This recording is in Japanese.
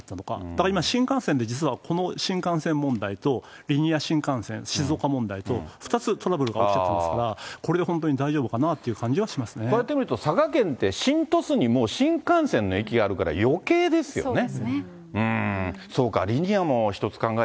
だから今、新幹線で実はこの新幹線問題と、リニア新幹線、静岡問題と、２つトラブル起きちゃってますから、これで本当に大丈夫かなといこうやって見ると、佐賀県って、新鳥栖にもう新幹線の駅があるから、よけいですよね。